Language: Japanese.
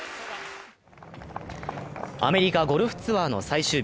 アメリカゴルフツアーの最終日。